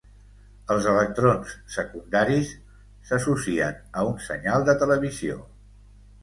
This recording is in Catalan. Els electrons secundaris s'associen a un senyal de televisió.